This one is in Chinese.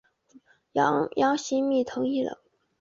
杨行密同意了。